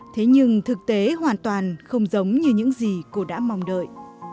thế nhưng thực tế hoàn toàn không giống như những gì cô đã mong đợi